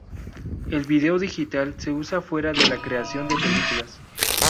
El vídeo digital se usa fuera de la creación de películas.